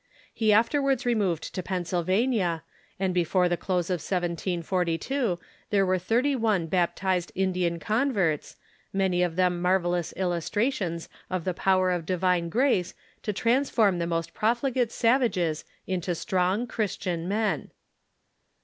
He after wards removed to Pennsylvania, and before the close of 1742 there were thirty one baptized Indian converts, many of them marvellous illustrations of the power of divine grace to trans form the most profligate savages into strong Christian men.